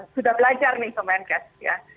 sudah belajar nih